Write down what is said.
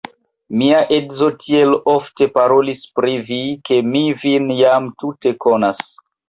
Mia edzo tiel ofte parolis pri vi, ke mi vin jam tute konas.